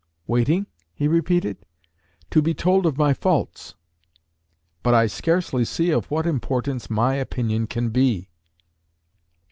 "Waiting?" he repeated. "To be told of my faults." "But I scarcely see of what importance my opinion can be."